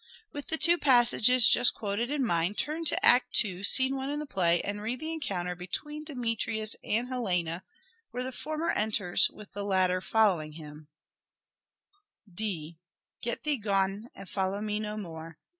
With the two passages just quoted in mind turn to Act II, scene i in the play, and read the encounter between LYRIC POETRY OF EDWARD DE VERE 183 Demetrius and Helena, where the former enters with the latter following him. D. " Get thee gone and follow me no more.